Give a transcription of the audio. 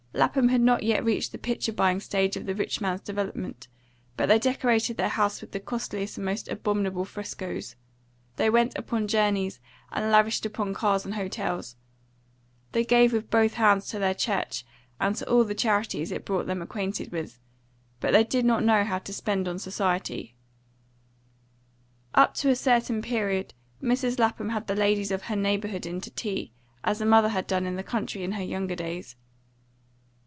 Lapham had not yet reached the picture buying stage of the rich man's development, but they decorated their house with the costliest and most abominable frescoes; they went upon journeys, and lavished upon cars and hotels; they gave with both hands to their church and to all the charities it brought them acquainted with; but they did not know how to spend on society. Up to a certain period Mrs. Lapham had the ladies of her neighbourhood in to tea, as her mother had done in the country in her younger days.